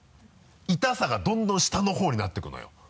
痛さがどんどん下のほうになっていくのよ。